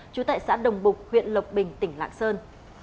trú tại xã đồng bục huyện lộc bình tỉnh lạng sơn